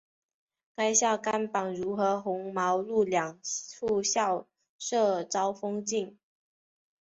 该校甘榜汝和红毛路两处校舍遭封禁。